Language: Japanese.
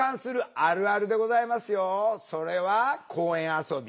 それは公園遊び。